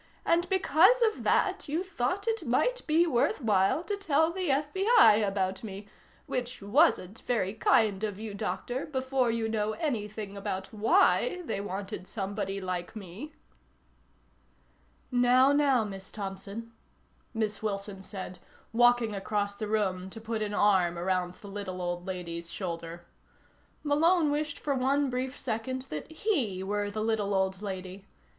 And because of that you thought it might be worthwhile to tell the FBI about me which wasn't very kind of you, Doctor, before you know anything about why they wanted somebody like me." "Now, now, Miss Thompson," Miss Wilson said, walking across the room to put an arm around the little old lady's shoulder. Malone wished for one brief second that he were the little old lady.